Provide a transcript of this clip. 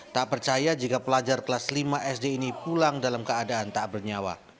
tak percaya jika pelajar kelas lima sd ini pulang dalam keadaan tak bernyawa